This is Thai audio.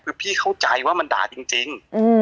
คือพี่เข้าใจว่ามันด่าจริง